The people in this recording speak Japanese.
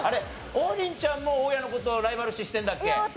王林ちゃんも大家の事ライバル視してるんだっけ？